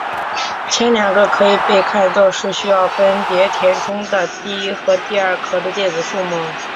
前两个可以被看作是需要分别填充的第一和第二壳的电子数目。